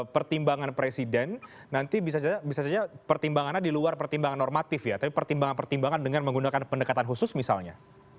pertimbangan presiden nanti bisa saja pertimbangannya di luar pertimbangan normatif ya tapi pertimbangan pertimbangan dengan menggunakan pendekatan khusus misalnya